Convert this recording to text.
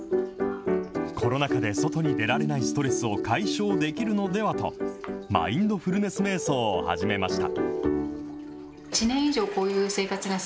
コロナ禍で外に出られないストレスを解消できるのではと、マインドフルネスめい想を始めました。